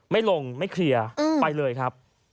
ไม่ลงไม่เคลียร์ไปเลยครับ